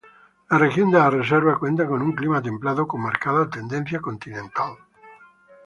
La región de la Reserva cuenta con un clima templado con marcada tendencia continental.